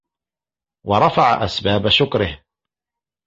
وَرَفَعَ أَسْبَابَ شُكْرِهِ